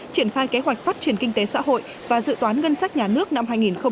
triển khai kế hoạch phát triển kinh tế xã hội và dự toán ngân sách nhà nước năm hai nghìn hai mươi